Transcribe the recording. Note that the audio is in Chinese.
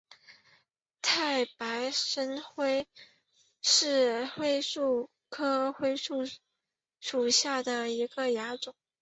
太白深灰槭为槭树科槭属下的一个亚种。